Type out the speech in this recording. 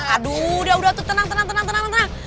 aduh udah udah tuh tenang tenang tenang tenang tenang